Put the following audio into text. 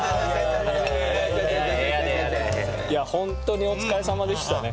いやあホントにお疲れさまでしたね。